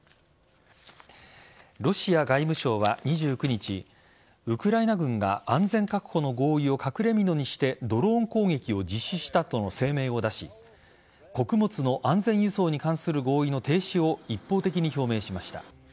ロシア外務省は２９日ウクライナ軍が安全確保の合意を隠れみのにしてドローン攻撃を実施したとの声明を出し穀物の安全輸送に関する合意の停止を一方的に表明しました。